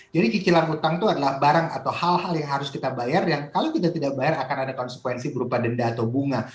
jadi cicilan utang itu adalah barang atau hal hal yang harus kita bayar yang kalau kita tidak bayar akan ada konsekuensi berupa denda atau bunga